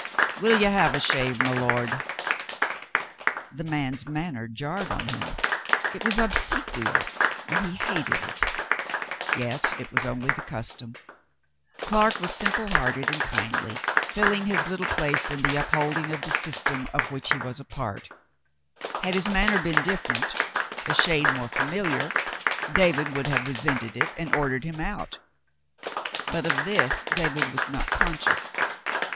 "Will you have a shave, my lord ?" The man's manner jarred on him. It was obsequious, and he hated it. Yet it was only the custom. Clark was simple hearted and kindly, filling his little place in the upholding of the system of which he was a part ; had his manner been different, a shade more familiar, David would have resented it and ordered him out, — but of this David was not conscious.